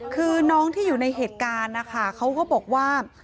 คือน้องที่อยู่ในเหตุการณ์นะคะเขาก็บอกว่า